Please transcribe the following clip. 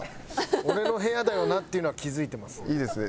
俺の部屋だよな？っていうのは気付いてますね。